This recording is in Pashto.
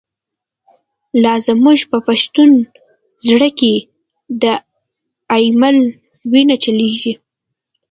لا زمونږ په پښتون زړه کی، « د ایمل» وینه چلیږی